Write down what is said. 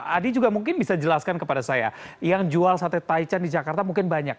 adi juga mungkin bisa jelaskan kepada saya yang jual sate taichan di jakarta mungkin banyak